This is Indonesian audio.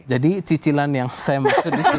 jadi cicilan yang saya maksud disini